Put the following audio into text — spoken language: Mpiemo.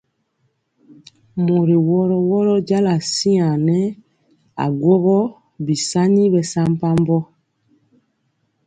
Mɔri wɔro wɔro jala siaŋg nɛ aguógó bisaŋi bɛsampabɔ.